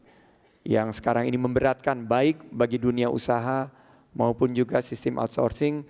yang sekarang ini memberatkan baik bagi dunia usaha maupun juga sistem outsourcing